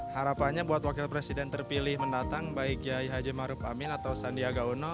harapannya buat wakil presiden terpilih mendatang baik kiai haji maruf amin atau sandiaga uno